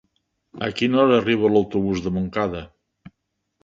A quina hora arriba l'autobús de Montcada?